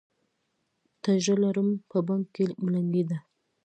تجره لرم، په بنګ کې ملنګي ده